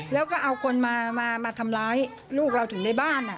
แล้วก็เอาคนมาทำร้ายลูกเราถึงในบ้าน